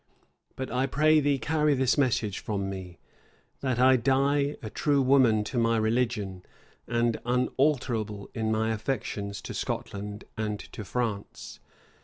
But I pray thee carry this message from me, that I die a true woman to my religion, and unalterable in my affections to Scotland and to France.